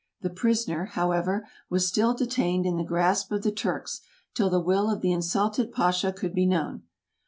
The prisoner, however, was still detained in the grasp of the Turks, till the will of the insulted Pasha could be known.